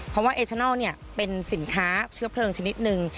เพราะว่าเอชนัลเป็นสินค้าเชื้อเพลิงชนิดหนึ่ง